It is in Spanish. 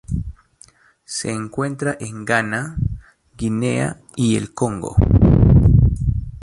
Se encuentra en Ghana, Guinea y el Congo.